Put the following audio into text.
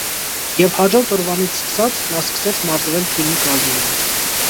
Եվ հաջորդ օրվանից սկսած, նա սկսեց մարզվել է թիմի կազմում։